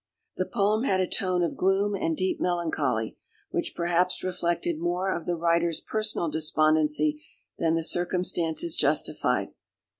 The poem had a tone of gloom and deep melancholy, which perhaps reflected more of the writer's personal despondency than the circumstances justified.